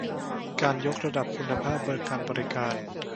การยกระดับคุณภาพการบริการ